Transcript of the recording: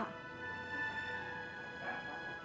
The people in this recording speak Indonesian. kan ini ada di depan pintu rumah kita pak